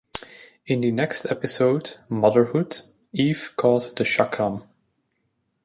In the next episode "Motherhood", Eve caught the Chakram.